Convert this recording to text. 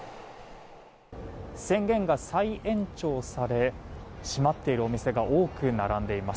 宣言が再延長され閉まっているお店が多く並んでいます。